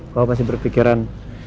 kau pasti berpikiran